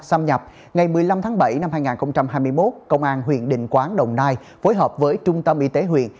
xâm nhập ngày một mươi năm tháng bảy năm hai nghìn hai mươi một công an huyện định quán đồng nai phối hợp với trung tâm y tế huyện